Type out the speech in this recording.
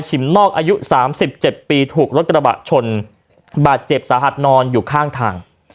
นอกอายุสามสิบเจ็ดปีถูกรถกระบะชนบาดเจ็บสาหัสนอนอยู่ข้างทาง